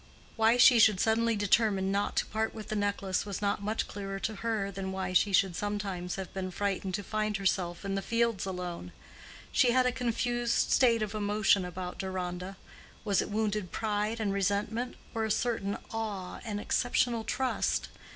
Why she should suddenly determine not to part with the necklace was not much clearer to her than why she should sometimes have been frightened to find herself in the fields alone: she had a confused state of emotion about Deronda—was it wounded pride and resentment, or a certain awe and exceptional trust?